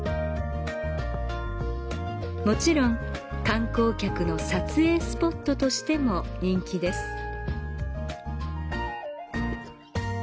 もちろん観光客の撮影スポットとしても人気です。